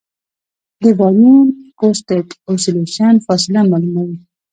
د باریون اکوسټک اوسیلیشن فاصله معلوموي.